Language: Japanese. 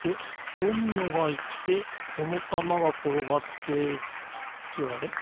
ドミノがいってこのたまがころがってってあれ？